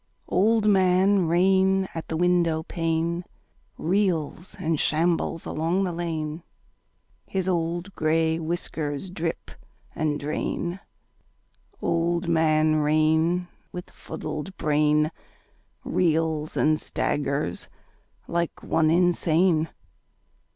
Old Man Rain at the windowpane Reels and shambles along the lane: His old gray whiskers drip and drain: Old Man Rain with fuddled brain Reels and staggers like one insane.